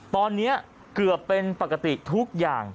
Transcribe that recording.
ตอนนี้เกือบเป็นปกติทุกอย่าง